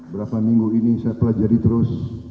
berapa minggu ini saya pelajari terus